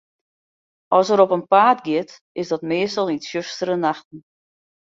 As er op 'en paad giet, is dat meastal yn tsjustere nachten.